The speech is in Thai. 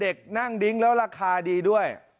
เด็กนั่งดิ้งแล้วราคาดีด้วย